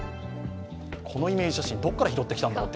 このイメージ写真、どこから拾ってきたんだろうと。